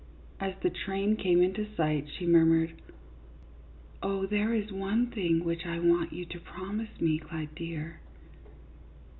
As the train came into sight, she murmured : "Oh, there is one thing which I want you to promise me, Clyde, dear."